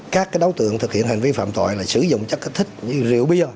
các đối tượng thực hiện hành vi phạm tội là sử dụng chất kích thích như rượu bia